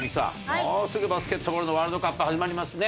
もうすぐバスケットボールのワールドカップ始まりますね。